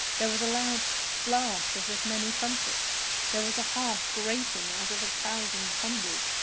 There was a loud blast as of many trumpets! There was a harsh grating as of a thousand thunders!